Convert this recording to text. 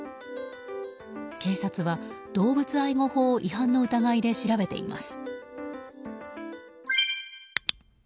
警察は動物愛護法違反の疑いで調べています。